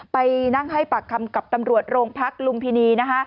ไปนั่งให้ปากคำกับตำรวจโรงพักลุมพินี